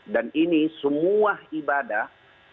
dan ini semua ibadah